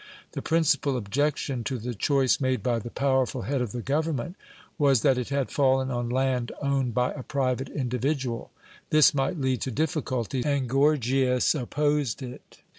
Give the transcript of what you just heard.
The principal objection to the choice made by the powerful head of the government was that it had fallen on land owned by a private individual. This might lead to difficulties, and Gorgias opposed it.